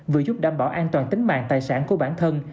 vừa giúp đảm bảo an toàn tính mạng tài sản của bản thân